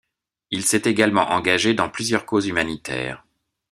Il s'est également engagé dans plusieurs causes humanitaires.